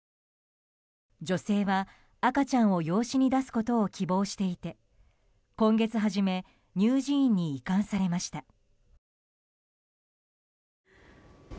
女性は赤ちゃんを養子に出すことを希望していて今月初め乳児院に移管されました。